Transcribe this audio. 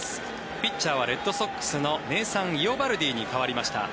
ピッチャーはレッドソックスのネイサン・イオバルディに代わりました。